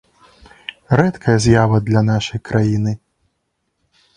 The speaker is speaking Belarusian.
Рэдкая з'ява для нашай краіны.